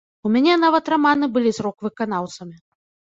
У мяне нават раманы былі з рок-выканаўцамі.